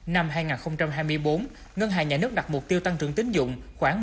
năm hai nghìn hai mươi bốn ngân hàng nhà nước đặt mục tiêu tăng trưởng tín dụng khoảng ba mươi